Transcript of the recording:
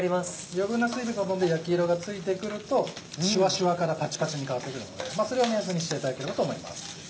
余分な水分が飛んで焼き色がついてくるとシュワシュワからパチパチに変わってくるのでそれを目安にしていただければと思います。